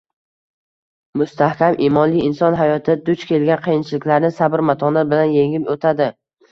Mustahkam imonli inson hayotida duch kelgan qiyinchiliklarni sabr-matonat bilan yengib o‘tadi.